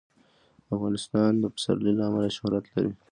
افغانستان د پسرلی له امله شهرت لري.